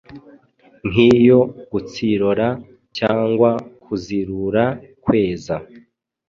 nk'iyo gutsirora cyangwa kuzirura, kweza.